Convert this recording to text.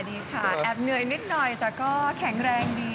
ดีค่ะแอบเหนื่อยนิดหน่อยแต่ก็แข็งแรงดี